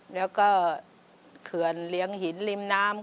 แล้วก็เขื่อนเลี้ยงหินริมน้ำ